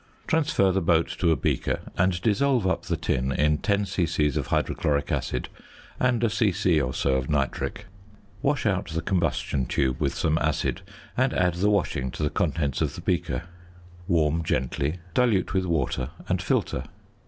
Transfer the boat to a beaker, and dissolve up the tin in 10 c.c. of hydrochloric acid and a c.c. or so of nitric. Wash out the combustion tube with some acid and add the washing to the contents of the beaker. Warm gently, dilute with water, and filter.